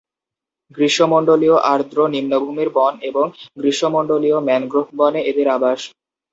গ্রীষ্মমন্ডলীয় আর্দ্র নিম্নভূমির বন এবং গ্রীষ্মমন্ডলীয় ম্যানগ্রোভ বনে এদের আবাস।